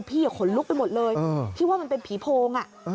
ขนลุกไปหมดเลยพี่ว่ามันเป็นผีโพง